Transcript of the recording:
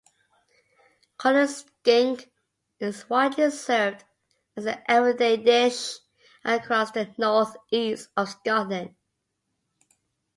Cullen skink is widely served as an everyday dish across the northeast of Scotland.